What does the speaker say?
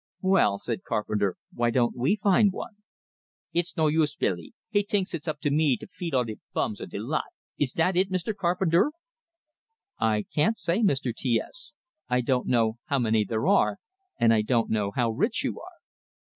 "Well," said Carpenter, "why don't we find one?" "It's no use, Billy. He thinks it's up to me to feed all de bums on de lot. Is dat it, Mr. Carpenter?" "I can't say, Mr. T S; I don't know how many there are, and I don't know how rich you are."